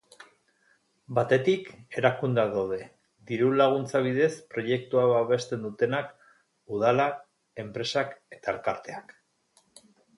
Batetik, erakundeak daude, diru laguntza bidez proiektua babesten dutenak; udalak, enpresak eta elkarteak.